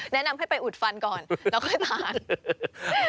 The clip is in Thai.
แนะนำให้ไปอุดฟันก่อนแล้วค่อยทาน